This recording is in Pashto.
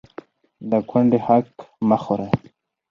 د کونډې حق مه خورئ